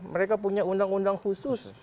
mereka punya undang undang khusus